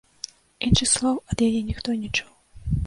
Іншых слоў ад яе ніхто не чуў.